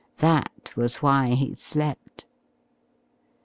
That was why he slept.